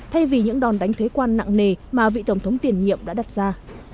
thay vì những đòn đánh thuế quan nặng nề mà vị tổng thống tiền nhiệm đã đặt ra